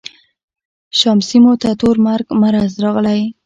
شام سیمو ته تور مرګ مرض راغلی.